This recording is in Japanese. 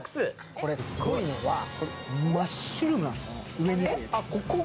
これ、すごいのはマッシュルームが上に。